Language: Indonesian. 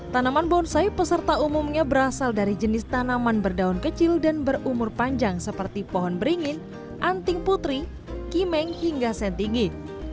tanaman bonsai peserta umumnya berasal dari jenis tanaman berdaun kecil dan berumur panjang seperti pohon beringin anting putri kimeng hingga sentigi